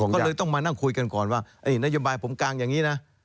ก็เลยต้องมานั่งคุยกันก่อนว่านโยบายผมกลางอย่างนี้นะ